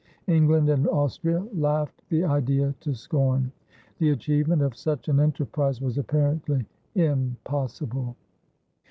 England and Austria laughed the idea to scorn. The achievement of such an enterprise was apparently impossible.